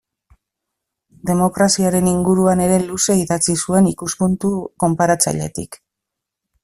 Demokraziaren inguruan ere luze idatzi zuen ikuspuntu konparatzailetik.